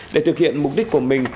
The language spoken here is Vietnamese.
để thực hiện mục đích của mình